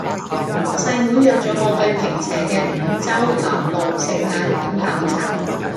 細妹約左我去坪輋嘅五洲南路食晏飲下午茶